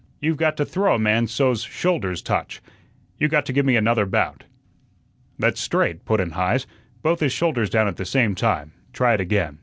You've got to throw a man so's his shoulders touch. You got to give me another bout." "That's straight," put in Heise, "both his shoulders down at the same time. Try it again.